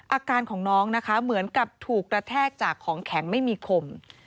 อาการของน้องนะคะเหมือนกับถูกกระแทกจากของแข็งไม่มีคม